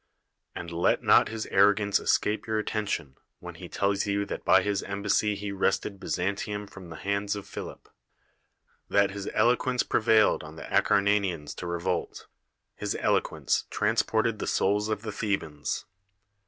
And let not his arrogance escape your atten tion, when he tells you that by his embassj' he wrested By/antium fi'om the hands of Phili|); that his eloquence prevailed on the Acarnanians to revolt; his eloquence transported the souls of the Thebans.